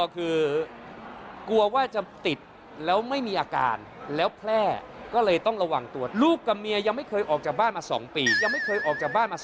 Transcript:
เขายังไม่ให้ออก